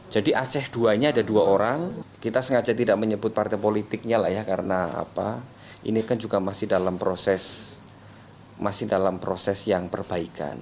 jadi aceh ii nya ada dua orang kita sengaja tidak menyebut partai politiknya lah ya karena ini kan juga masih dalam proses yang perbaikan